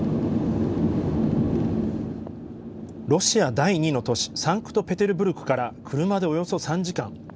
ロシア第２の都市サンクトペテルブルクから車でおよそ３時間。